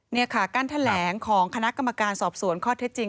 นี่ค่ะการแถลงของคณะกรรมการสอบสวนข้อเท็จจริง